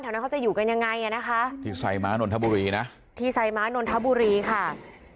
นั้นเขาจะอยู่กันยังไงอ่ะนะคะที่ไซม้านนทบุรีนะที่ไซม้านนทบุรีค่ะ